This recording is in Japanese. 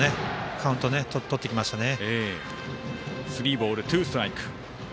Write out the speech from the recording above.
カウントとってきましたね。